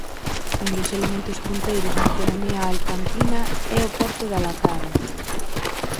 Un dos elementos punteiros na economía alacantina é o Porto de Alacant.